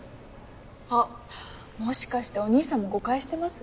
あっもしかしてお兄さんも誤解してます？